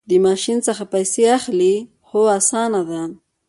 د ماشین څخه پیسې اخلئ؟ هو، اسانه ده